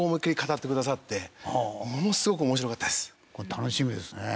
楽しみですね。